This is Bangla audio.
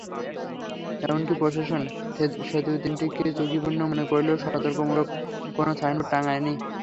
এমনকি প্রশাসন সেতু তিনটিকে ঝুঁকিপূর্ণ মনে করলেও সতর্কতামূলক কোনো সাইনবোর্ড টাঙায়নি।